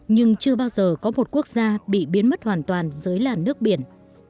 nhưng chưa bao giờ có một quốc gia bị biến mất hoàn toàn dưới làn nước biển